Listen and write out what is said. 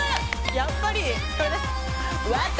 やっぱり。